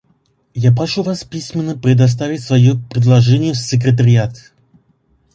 Я прошу вас письменно представить свое предложение в секретариат.